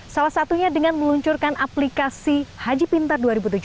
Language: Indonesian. salah satunya dengan meluncurkan aplikasi haji pintar dua ribu tujuh belas